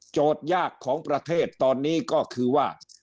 ยากของประเทศตอนนี้ก็คือว่า